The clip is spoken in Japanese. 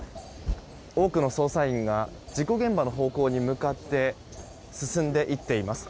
多くの捜査員が事故現場の方向に向かって進んでいっています。